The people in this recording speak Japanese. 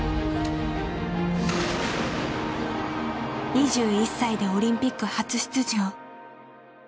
２１歳でオリンピック初出場。